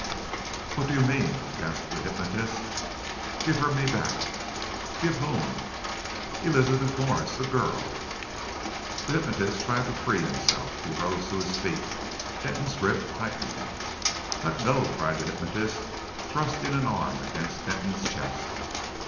"What do you mean?" gasped the hypnotist. "Give her me back." "Give whom?" "Elizabeth Mwres the girl " The hypnotist tried to free himself; he rose to his feet. Denton's grip tightened. "Let go!" cried the hypnotist, thrusting an arm against Denton's chest.